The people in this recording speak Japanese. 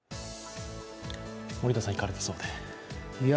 森田さん、行かれたそうで？